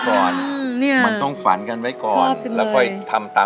ชุดได้๑๐๐๐๐นิทจะได้ห้องให้น้องด้วยนี่ไงมันจึงต้องสู้